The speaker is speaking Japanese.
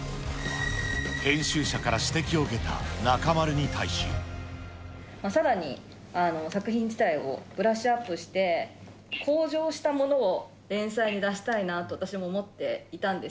編集者から指摘を受けた中丸さらに作品自体をブラッシュアップして、向上したものを連載に出したいなと私も思っていたんです。